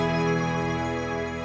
lalu dia nyaman